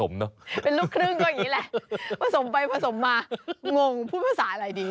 ผสมไปผสมมางงพูดภาษาอะไรดี